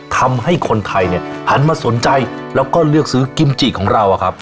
ทำให้คนไทยเนี่ยหันมาสนใจแล้วก็เลือกซื้อกิมจิของเราอะครับ